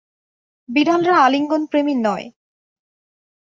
বিড়ালরা আলিঙ্গন প্রেমী নয়।